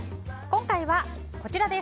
今回は、こちら。